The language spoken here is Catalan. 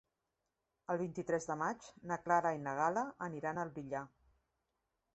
El vint-i-tres de maig na Clara i na Gal·la aniran al Villar.